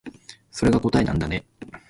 それが答えなんだね